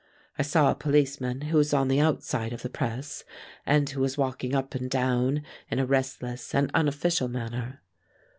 I saw a policeman who was on the outside of the press, and who was walking up and down in a restless and unofficial manner.